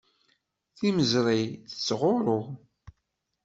Timeẓri tettɣurru.